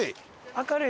明るい！